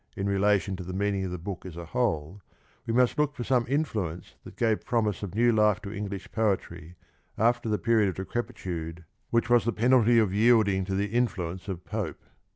in relation to the meaning of the book as a whole we must look for some influence that gave promise of new life to English poetry after the period of decrepitude which was the penalty of yielding to the influence of Pope.